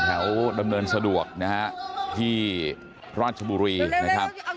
แถวดำเนินสะดวกนะครับที่พระราชบุรีนะครับ